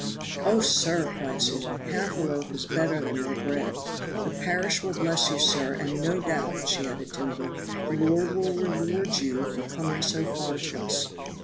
"Oh, sir!" cried Susan, "half a loaf is better than no bread! The parish will bless you, sir, and no doubt," added she timidly, "the Lord will reward you for coming so far to us."